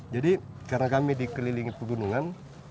jadi karena kami dikelilingi pegunungan